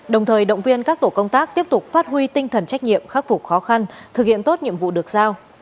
đồng thời động viên các tổ công tác tiếp tục phát huy tinh thần trách nhiệm khắc phục khó khăn thực hiện tốt nhiệm vụ được giao